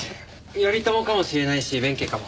頼朝かもしれないし弁慶かも。